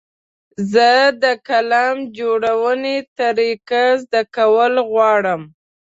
زه د فلم جوړونې طریقه زده کول غواړم.